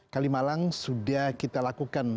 kalimalang sudah kita lakukan